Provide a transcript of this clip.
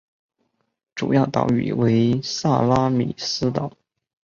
主要岛屿为萨拉米斯岛。